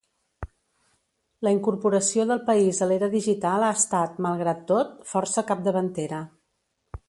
La incorporació del país a l'era digital ha estat, malgrat tot, força capdavantera.